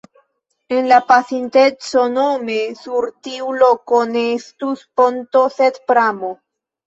En la pasinteco nome sur tiu loko ne estus ponto sed pramo.